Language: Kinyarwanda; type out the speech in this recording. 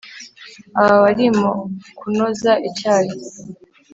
Aba barimokunoza icyayi